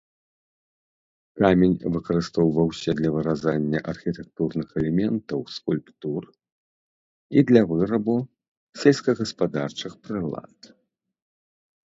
Камень выкарыстоўваўся для выразання архітэктурных элементаў скульптур і для вырабу сельскагаспадарчых прылад.